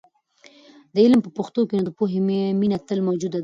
که علم په پښتو وي، نو د پوهې مینه تل موجوده ده.